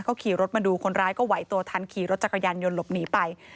เขาขี่รถมาดูคนร้ายก็ไหวตัวทันขี่รถจักรยานยนต์หลบหนีไป